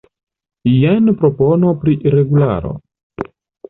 Jen propono pri regularo.